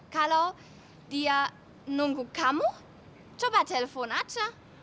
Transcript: kalau dia nunggu kamu coba telepon aja